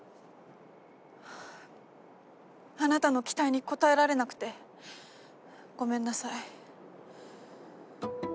あなたの期待に応えられなくてごめんなさい。